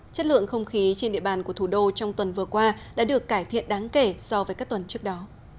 chất lượng không khí trên địa bàn của thủ đô trong tuần vừa qua đã được cải thiện đáng kể so với các tuần trước đó